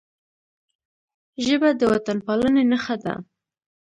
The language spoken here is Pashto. ژبه د وطنپالنې نښه ده